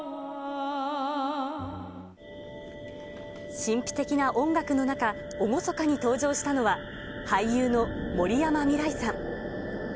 神秘的な音楽の中、厳かに登場したのは、俳優の森山未來さん。